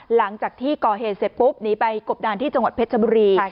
หลังจากที่ก่อเหตุเสร็จปุ๊บหนีไปกบดานที่จังหวัดเพชรบุรี